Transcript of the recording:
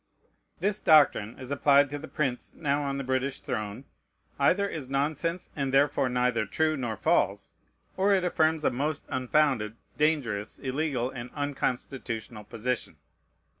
This doctrine, as applied to the prince now on the British throne, either is nonsense, and therefore neither true nor false, or it affirms a most unfounded, dangerous, illegal, and unconstitutional position.